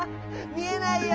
みえないよ！